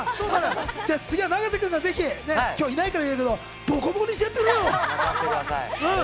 じゃあ、次は永瀬君が今日いないから言えるけど、ボコボコにしてやってくれよ。